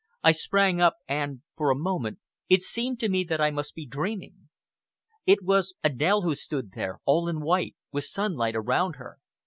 I sprang up, and, for a moment, it seemed to me that I must be dreaming. It was Adèle who stood there, all in white, with sunlight around her....